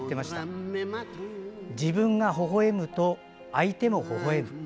「自分がほほえむと相手もほほえむ」。